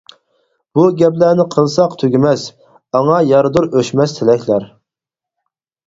بۇ گەپلەرنى قىلساق تۈگىمەس، ئاڭا ياردۇر ئۆچمەس تىلەكلەر.